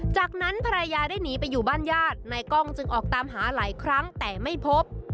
จากนั้นภรรยาได้หนีไปอยู่บ้านญาตินายกล้องจึงออกตามหาหลายครั้งแต่ไม่พบ